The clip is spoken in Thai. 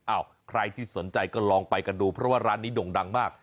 ใครที่สนใจก็ลองไปกันดูเพราะว่าร้านนี้ด่งดังมาก